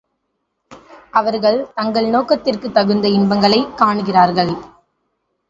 அவர்கள் தங்கள் நோக்கத்திற்குத் தகுந்த இன்பங்களைக் காணுகிறார்கள்.